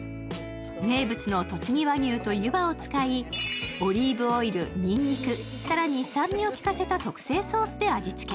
名物のとちぎ和牛と湯葉を使い、オリーブオイル、にんにく、更に酸味を効かせた特製ソースで味付け。